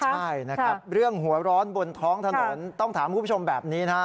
ใช่นะครับเรื่องหัวร้อนบนท้องถนนต้องถามคุณผู้ชมแบบนี้นะฮะ